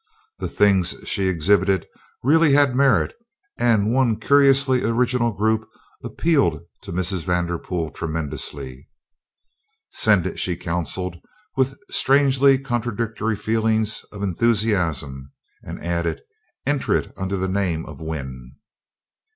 The things she exhibited really had merit and one curiously original group appealed to Mrs. Vanderpool tremendously. "Send it," she counseled with strangely contradictory feelings of enthusiasm, and added: "Enter it under the name of Wynn."